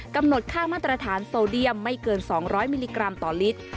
กำหนดค่ามาตรฐานโซเดียมไม่เกิน๒๐๐มิลลิกรัมต่อลิตร